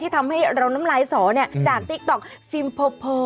ที่ทำให้เราน้ำลายสอเนี่ยจากติ๊กต่อกฟิล์มโพโพ